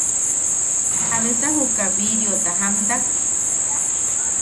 ¿Jabesa juka biriota jaamtak?